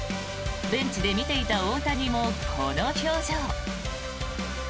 ベンチで見ていた大谷もこの表情。